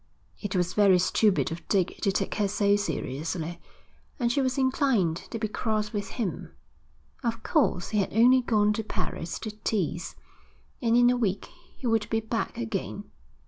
It was very stupid of Dick to take her so seriously, and she was inclined to be cross with him. Of course he had only gone to Paris to tease, and in a week he would be back again.